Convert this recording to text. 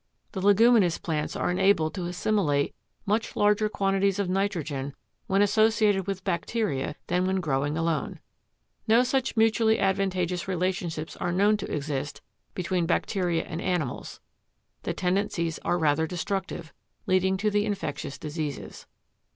The leguminous plants are enabled to assimilate much larger quantities of nitrogen when associated with bacteria than when growing alone. No such mutually advantageous relationships are known to exist between bacteria and animals; the tendencies are rather destructive, leading to the infectious diseases.